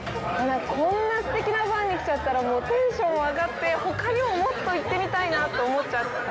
こんなすてきなバーに来ちゃったら、もうテンション上がって、ほかにももっと行ってみたいなって思っちゃった。